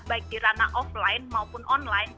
baik di ranah offline maupun online